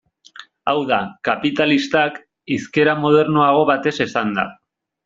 Hau da, kapitalistak, hizkera modernoago batez esanda.